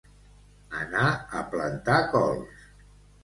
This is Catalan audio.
Anar a plantar cols.